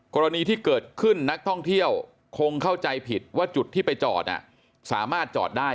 กรณีที่เกิดขึ้นนักท่องเที่ยวคงเข้าใจผิดว่าจุดที่ไปจอดสามารถจอดได้